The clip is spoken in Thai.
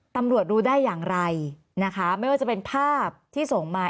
ตำรวจรู้ได้อย่างไรนะคะไม่ว่าจะเป็นภาพที่ส่งมา